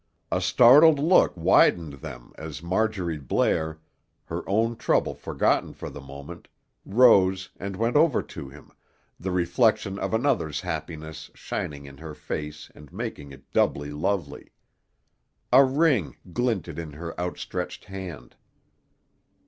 A startled look widened them as Marjorie Blair, her own trouble forgotten for the moment, rose and went over to him, the reflection of another's happiness shining in her face and making it doubly lovely. A ring glinted in her outstretched hand.